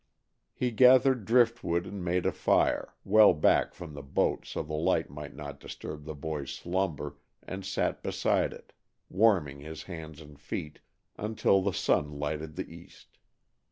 He gathered driftwood and made a fire, well back from the boat so the light might not disturb the boy's slumber, and sat beside it, warming his hands and feet, until the sun lighted the east.